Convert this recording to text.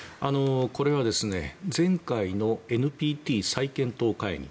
これは前回のＮＰＴ再検討会議